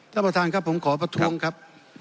ท่านประธานครับผมขอประท้วงครับ